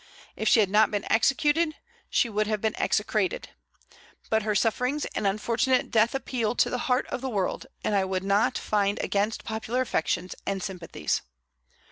If she had not been executed, she would have been execrated. But her sufferings and unfortunate death appeal to the heart of the world, and I would not fight against popular affections and sympathies.